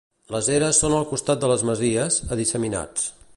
Les eres són al costat de les masies, a disseminats.